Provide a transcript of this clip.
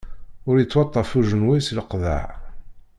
Ur ittwaṭṭaf ujenwi si leqḍaɛ.